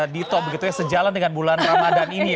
dito begitu ya sejalan dengan bulan ramadhan ini ya